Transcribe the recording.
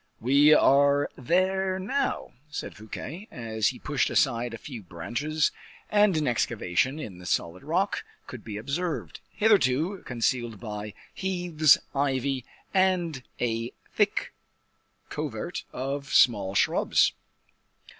"We are there now," said Fouquet, as he pushed aside a few branches, and an excavation in the solid rock could be observed, hitherto concealed by heaths, ivy, and a thick covert of small shrubs.